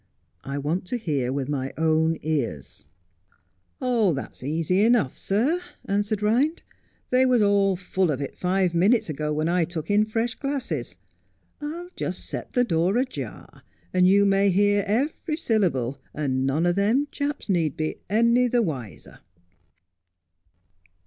I want to hear with my own ears.' ' That's easy enough, sir,' answered Ehind. ' They was all full of it five minutes ago, when I took in fresh glasses. I'll At the ' Sugar Loaves.' 81 just set the door ajar, and you may hear every syllable, and none o' them chaps need be any the wiser.'